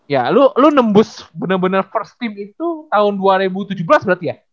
ya lu lo nembus benar benar first team itu tahun dua ribu tujuh belas berarti ya